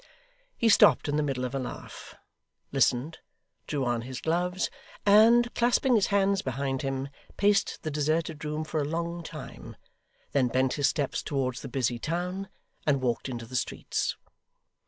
He stopped in the middle of a laugh, listened, drew on his gloves, and, clasping his hands behind him, paced the deserted room for a long time, then bent his steps towards the busy town, and walked into the streets.